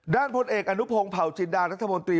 พลเอกอนุพงศ์เผาจินดารัฐมนตรี